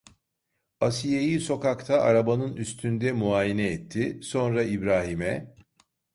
Asiye'yi sokakta, arabanın üstünde muayene etti, sonra İbrahim'e: